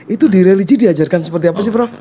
itu di religi diajarkan seperti apa sih prof